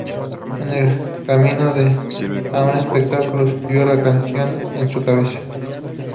En el camino a un espectáculo escribió la canción en su cabeza.